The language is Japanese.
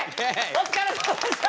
お疲れさまでした！